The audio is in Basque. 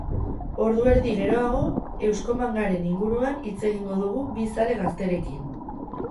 Ordu erdi geroago, euskomangaren inguruan hitz egingo dugu bi zale gazterekin.